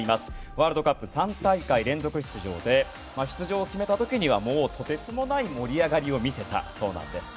ワールドカップ３大会連続出場で出場を決めた時にはとてつもない盛り上がりを見せたそうなんです。